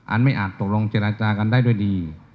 อันไม่อาจตกลงเจรจากันได้ด้วยดี